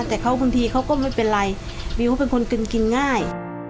แต่พอที่เขาก็ไม่เป็นไรเพราะวิวเขาเป็นคนกึนกินง่าย